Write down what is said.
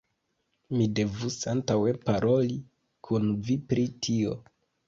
Mi devus antaŭe paroli kun vi pri tio.